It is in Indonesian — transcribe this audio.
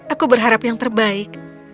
aku berharap yang terbaik